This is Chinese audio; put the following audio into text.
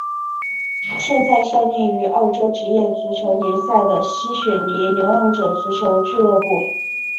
现在效力于澳洲职业足球联赛的西雪梨流浪者足球俱乐部。